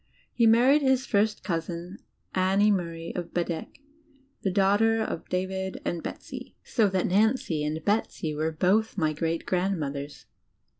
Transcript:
He married his first cousin, Annie Murray, of Bedeque, the daughter of David and Betsy. So that Nancy and Betsy were both my great grand mothers.